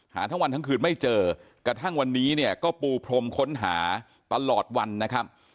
ทั้งวันทั้งคืนไม่เจอกระทั่งวันนี้เนี่ยก็ปูพรมค้นหาตลอดวันนะครับ